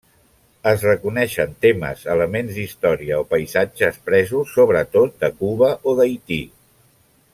Es reconeixen temes, elements d'història o paisatges presos sobretot de Cuba o d'Haití.